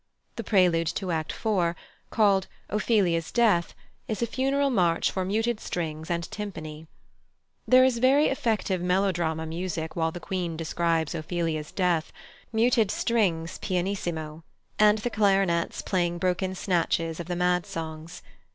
The prelude to Act iv., called "Ophelia's Death," is a funeral march for muted strings and timpani. There is very effective melodrama music while the Queen describes Ophelia's death, muted strings pianissimo, and the clarinets playing broken snatches of the mad songs.